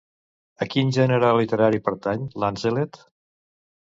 A quin gènere literari pertany Lanzelet?